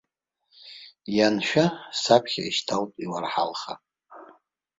Ианшәа, саԥхьа ишьҭалт иуарҳалха.